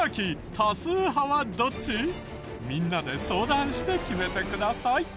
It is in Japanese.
みんなで相談して決めてください。